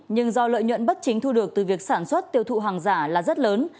nhưng do lợi nhuận bất chính thu được từ việc sản xuất tiêu thụ hàng giả là rất lớn